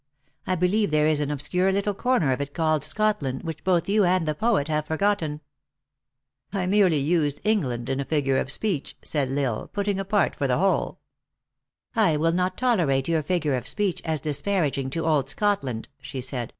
I believe there is an obscure little corner of it called Scotland, which both you and the poet have forgotten." " I merely used England in a figure of speech," said L Tsle, " putting a part for the whole." " I will not tolerate your figure of speech, as dis paraging to old Scotland," she said.